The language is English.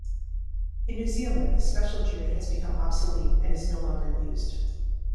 In New Zealand, the special jury has become obsolete and is no longer used.